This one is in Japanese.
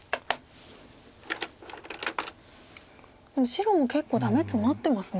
でも白も結構ダメツマってますね。